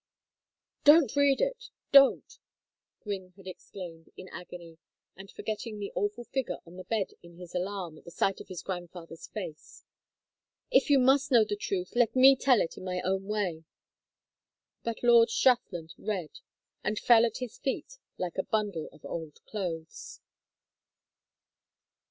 "Don't read it! Don't!" Gwynne had exclaimed, in agony, and forgetting the awful figure on the bed in his alarm at the sight of his grandfather's face. "If you must know the truth let me tell it in my own way." But Lord Strathland read, and fell at his feet like a bundle of old clothes.